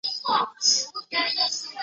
由铁道部与贵州省各出资一半。